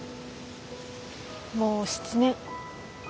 もう７年。